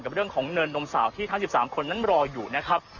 เรื่องของเนินนมสาวที่ทั้ง๑๓คนนั้นรออยู่นะครับ